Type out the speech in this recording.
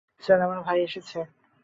Sir, আমার ভাই এসেছে।